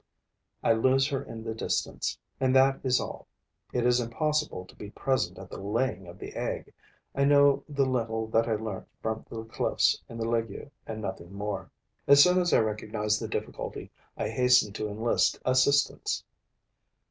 I lose her in the distance; and that is all. It is impossible to be present at the laying of the egg. I know the little that I learnt from the cliffs in the Legue and nothing more. As soon as I recognize the difficulty, I hasten to enlist assistants.